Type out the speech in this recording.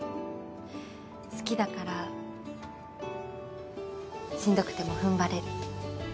好きだからしんどくても踏ん張れる。